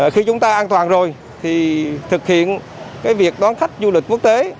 khi chúng ta an toàn rồi thì thực hiện việc đón khách du lịch quốc tế